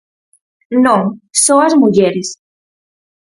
Non, só ás mulleres.